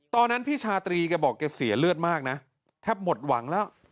ตอนนั้นพี่ชาตรีแกบอกแกเสียเลือดมากนะแทบหมดหวังแล้ว